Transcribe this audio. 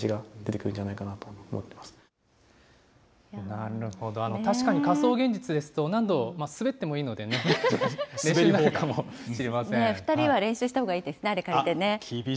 なるほど、確かに仮想現実ですと、何度滑ってもいいのでね、２人は練習したほうがいいですね、あれ借りてね。